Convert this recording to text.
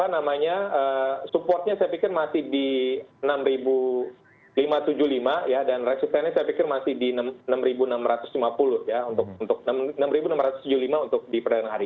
namanya supportnya saya pikir masih di enam lima ratus tujuh puluh lima dan resistannya saya pikir masih di enam enam ratus lima puluh untuk di perdagangan hari ini